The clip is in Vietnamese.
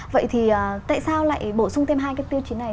vậy thì tại sao lại bổ sung thêm hai cái tiêu chí này